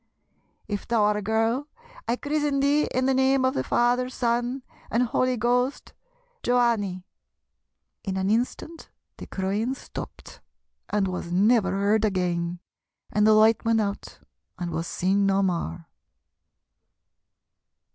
If thou are a girl I chrizzen thee in the name of the Father, Son, and Holy Ghost, Joanney!' In an instant the crying stopped, and was never heard again, and the light went out and was seen no more.